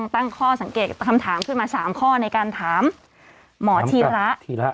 ตั้งข้อสังเกตคำถามขึ้นมา๓ข้อในการถามหมอธีระธีระ